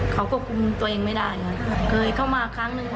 เขาควบคุมตัวเองไม่ได้นะเคยเข้ามาครั้งหนึ่ง